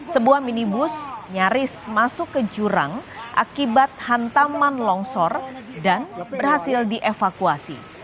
sebuah minibus nyaris masuk ke jurang akibat hantaman longsor dan berhasil dievakuasi